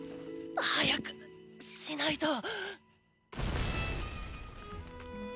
早くしないと。